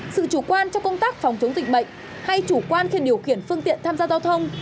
sự chủ quan trong công tác phòng chống dịch bệnh hay chủ quan khi điều khiển phương tiện tham gia giao thông